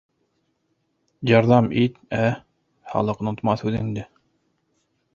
Ярҙам ит, ә? Халыҡ онотмаҫ үҙеңде